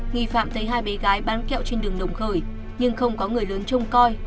nghi phạm thấy hai bé gái bán kẹo trên đường đồng khởi nhưng không có người lớn trông coi